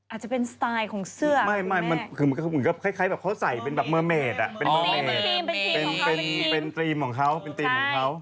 อันนั้นใส่หนูมาทั้งนอกเสื้อเหรออ่ะอาจจะเป็นสไตล์ของเสื้อเป็นเมอร์เมด